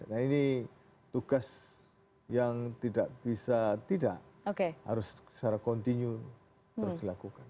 nah ini tugas yang tidak bisa tidak harus secara kontinu terus dilakukan